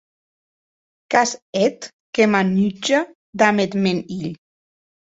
Qu’as hèt que m’anutja damb eth mèn hilh.